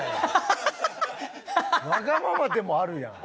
わがままでもあるやん。